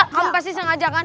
kamu pasti sengaja kan